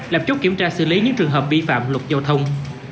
lập chốt kiểm tra xử lý những trường hợp vi phạm luật giao thông